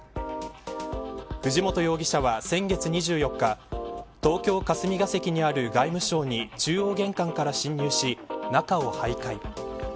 藤本容疑者は、先月２４日東京、霞ヶ関にある外務省に中央玄関から侵入し、中を徘徊。